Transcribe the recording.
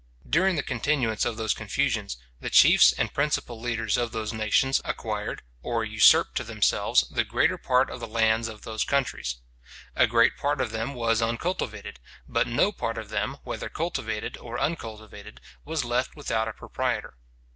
During the continuance of those confusions, the chiefs and principal leaders of those nations acquired, or usurped to themselves, the greater part of the lands of those countries. A great part of them was uncultivated; but no part of them, whether cultivated or uncultivated, was left without a proprietor.